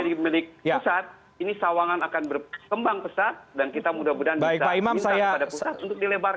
dengan menjadi milik pusat ini sawangan akan berkembang besar dan kita mudah mudahan bisa pintar kepada pusat untuk dilebarkan